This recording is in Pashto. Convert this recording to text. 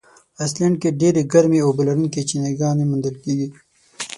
آیسلنډ کې ډېرې ګرمي اوبه لرونکي چینهګانې موندل کیږي.